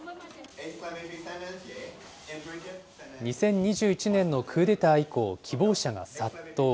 ２０２１年のクーデター以降、希望者が殺到。